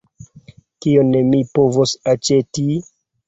Kion mi povos aĉeti?